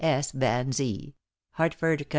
S. VAN Z. Hartford, Conn.